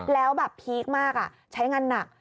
แล้วปีกมากใช้งานหนัก